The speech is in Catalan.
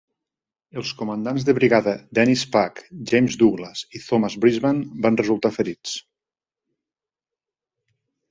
Els comandants de brigada Denis Pack, James Douglas i Thomas Brisbane van resultar ferits.